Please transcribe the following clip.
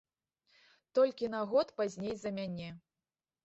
Толькі на год пазней за мяне.